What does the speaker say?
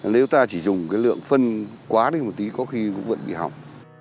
nếu ta chỉ dùng cái lượng phân quá lên một tí có khi cũng vẫn bị hỏng